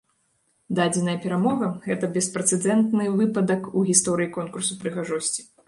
Дадзеная перамога, гэта беспрэцэдэнтны выпадак у гісторыі конкурсу прыгажосці.